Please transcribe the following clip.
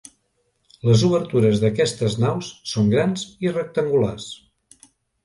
Les obertures d'aquestes naus són grans i rectangulars.